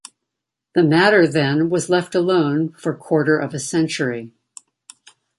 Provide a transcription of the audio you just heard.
The matter then was left alone for quarter of a century.